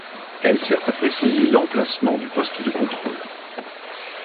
Elle sert à préciser l'emplacement du poste de contrôle.